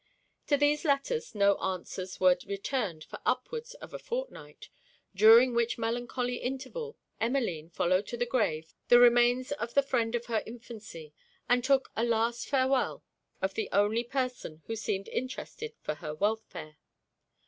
To these letters no answers were returned for upwards of a fortnight: during which melancholy interval, Emmeline followed to the grave the remains of the friend of her infancy, and took a last farewel of the only person who seemed interested for her welfare.